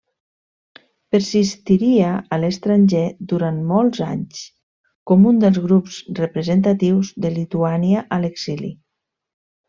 Persistiria a l'estranger durant molts anys com un dels grups representatius de Lituània a l'exili.